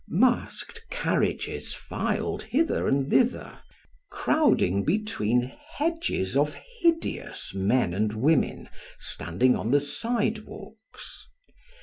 Masked carriages filed hither and thither, crowding between hedges of hideous men and women standing on the sidewalks.